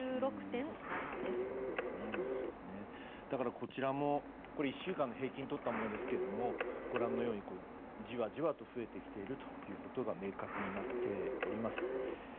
こちらも１週間の平均をとったものですがご覧のように、じわじわと増えてきていることが明確になっております。